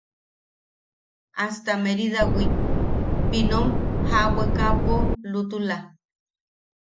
Hasta Meridawi, pinom jaʼawekaʼapo, lutula.